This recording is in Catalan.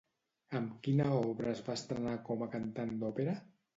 Amb quina obra es va estrenar com a cantant d'òpera?